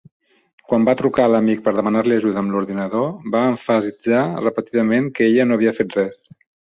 Quan va trucar a l'amic per demanar-li ajuda amb l'ordinador, va emfasitzar repetidament que ella no havia fet res.